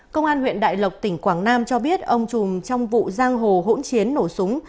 công an huyện đại lộc tỉnh quảng nam cho biết ông chùm trong vụ giang hồ hỗn chiến nổ súng